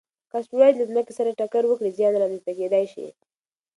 که اسټروېډ له ځمکې سره ټکر وکړي، زیان رامنځته کېدای شي.